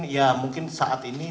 ya mungkin saat ini